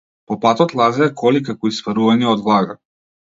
По патот лазеа коли како испарувања од влага.